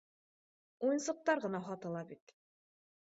Уйынсыҡтар ғына һатыла бит.